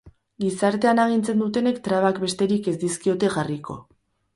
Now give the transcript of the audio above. Gizartean agintzen dutenek trabak besterik ez dizkiote jarriko.